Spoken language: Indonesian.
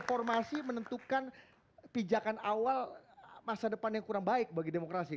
formasi menentukan pijakan awal masa depan yang kurang baik bagi demokrasi